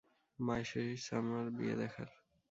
মায়ের শেষ ইচ্ছা আমার বিয়ে দেখার।